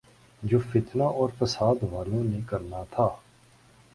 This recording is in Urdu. جو فتنہ اورفسادوالوں نے کرنا تھا۔